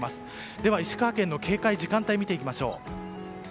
では石川県の警戒時間帯見ていきましょう。